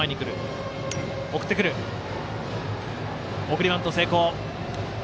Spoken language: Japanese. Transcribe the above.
送りバント、成功。